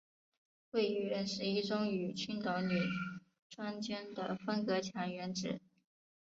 位于原十一中与青岛女专间的分隔墙原址。